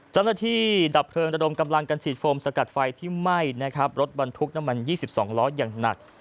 มือดับเพลิงดอยดมกำลังกันสีฟรมสกัดไฟที่ไหม้นะครับรถบรรทุกนามมัน๒๒ล้อย่างหนักหลัง